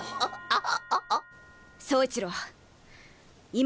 あっ！